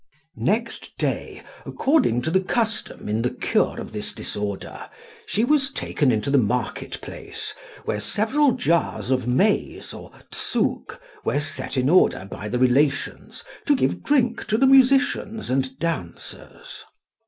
"Next day, according to the custom in the cure of this disorder, she was taken into the market place, where several jars of maize or tsug were set in order by the relations, to give drink to the musicians and dancers.